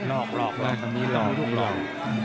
หลอกหลอกหลอก